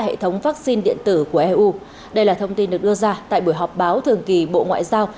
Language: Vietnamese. hệ thống vaccine điện tử của eu đây là thông tin được đưa ra tại buổi họp báo thường kỳ bộ ngoại giao